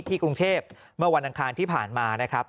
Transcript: กรุงเทพเมื่อวันอังคารที่ผ่านมานะครับ